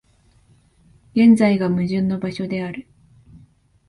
現在が矛盾の場所である。